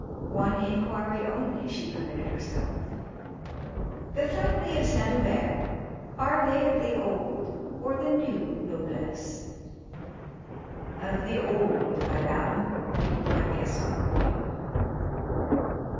One inquiry only she permitted herself: "The family of Saint Hubert, are they of the old or the new noblesse?" "Of the old, Madame," replied Gaston quickly.